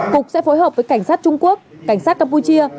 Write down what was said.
cục sẽ phối hợp với cảnh sát trung quốc cảnh sát campuchia